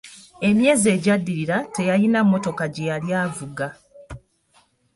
Emyezi egyaddirira teyalina mmotoka gye yali avuga.